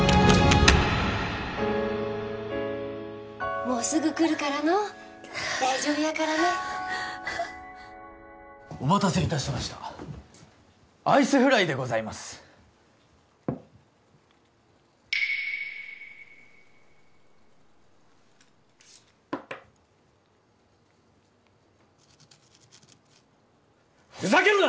もうすぐ来るからのう大丈夫やからねお待たせいたしましたアイスフライでございますふざけるな！